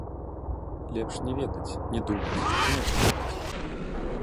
Лепш не ведаць, не думаць, не адчуваць!